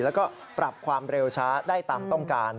แล้วก็ปรับความเร็วช้าได้ตามต้องการ